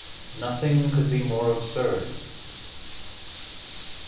Nothing could be more absurd.